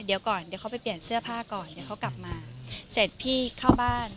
เดี๋ยวก่อนเดี๋ยวเขาไปเปลี่ยนเสื้อผ้าก่อนเดี๋ยวเขากลับมาเสร็จพี่เข้าบ้าน